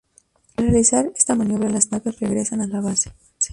Tras realizar esta maniobra las naves regresan a la base.